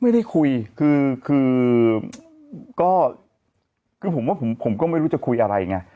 ไม่ได้คุยคือคือก็คือผมว่าผมก็ไม่รู้จะคุยอะไรไง